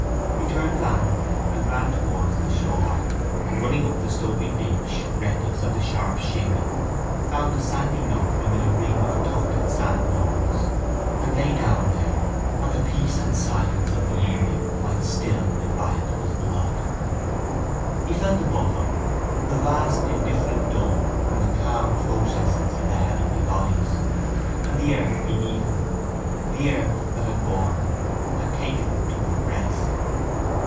He turned landward and ran towards the shore and, running up the sloping beach, reckless of the sharp shingle, found a sandy nook amid a ring of tufted sandknolls and lay down there that the peace and silence of the evening might still the riot of his blood. He felt above him the vast indifferent dome and the calm processes of the heavenly bodies; and the earth beneath him, the earth that had borne him, had taken him to her breast.